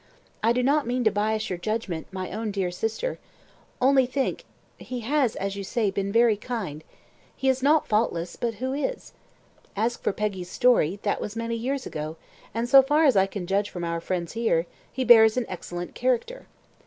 I do not mean to bias your judgment, my own dear sister. Only think he has, as you say, been very kind. He is not faultless; but who is? As for Peggy's story, that was many years ago; and, so far as I can judge from our friends here, he bears an excellent character.